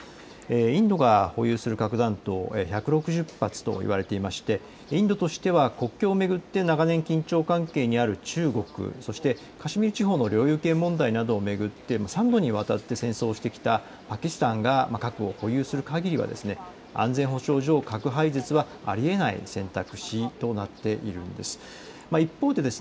インドが保有する核弾頭１６０発と言われていてインドとしては国境を巡って長年、緊張関係にある中国そしてカシミール地方の領有権問題を巡る３度にわたって戦争をしてきたパキスタンが核を保有するかぎりは安全保障上、核廃絶はありえない選択肢となっているんです。